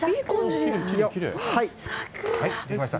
はい、できました。